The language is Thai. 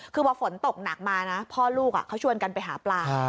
คือพอฝนตกหนักมานะพ่อลูกเขาชวนกันไปหาปลา